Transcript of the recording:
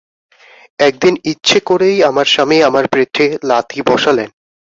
একদিন ইচ্ছে করেই আমার স্বামী আমার পেটে লাথি বসালেন।